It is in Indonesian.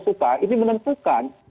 suka ini menentukan